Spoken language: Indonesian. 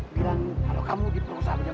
bilang kalau kamu diperkosa sama jamu karo